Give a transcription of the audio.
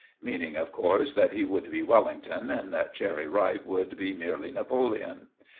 Meaning, of course, that he would be Wellington, and that Cherry Ripe would be merely Napoleon.